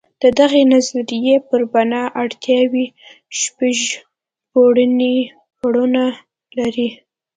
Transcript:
د دغې نظریې پر بنا اړتیاوې شپږ پوړونه لري.